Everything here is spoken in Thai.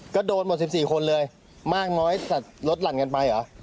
ก็โดนหมด๑๔คนเลยมากน้อยลดหลั่นกันไปเหรอ